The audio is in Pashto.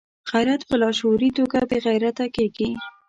غیرت په لاشعوري توګه بې غیرته کېږي.